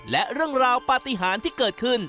และเรื่องราวปฏิหารที่เกิดขึ้น